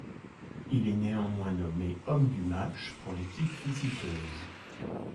Il est néanmoins nommé homme du match pour l'équipe visiteuse.